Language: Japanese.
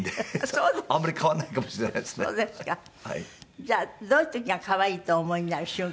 じゃあどういう時が可愛いとお思いになる瞬間？